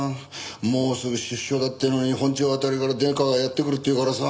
もうすぐ出所だってのに本庁あたりからデカがやって来るって言うからさ。